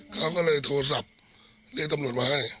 เขาก็เลยโทรศัพท์เรียกตำรวจมาให้